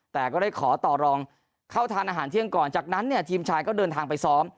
แต่ก็ได้ขอต่อรองเข้าทานอาหารเที่ยงก่อนจากนั้นเนี่ยทีมชายก็เดินทางไปซ้อม